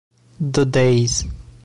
The Days